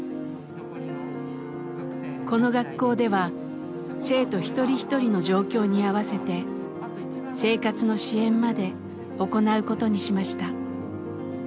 この学校では生徒一人一人の状況に合わせて生活の支援まで行うことにしました。